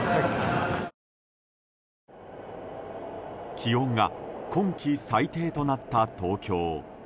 気温が今季最低となった東京。